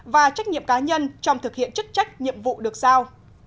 và trách nhiệm cá nhân trong thực hiện chức trách nhiệm vụ được sao